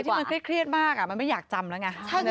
เพราะอะไรที่มันเครียดมากมันไม่อยากจำแล้วไง